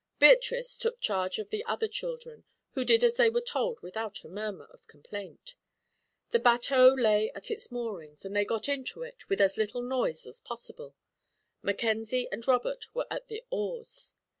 Beatrice took charge of the other children, who did as they were told without a murmur of complaint. The bateau lay at its moorings and they got into it with as little noise as possible. Mackenzie and Robert were at the oars.